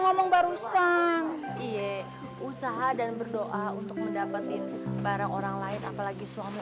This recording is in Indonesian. ngomong barusan iya usaha dan berdoa untuk mendapatkan barang orang lain apalagi suami